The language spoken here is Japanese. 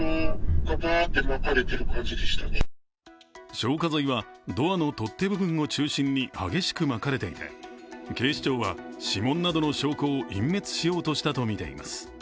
消火剤はドアの取っ手部分を中心に激しくまかれていて警視庁は、指紋などの証拠を隠滅しようとしたとみています。